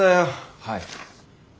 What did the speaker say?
はい。